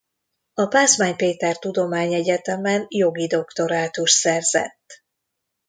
A Pázmány Péter Tudományegyetemen jogi doktorátust szerzett.